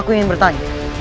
aku ingin bertanya